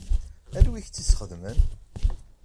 Anwa i k-tt-ixedmen?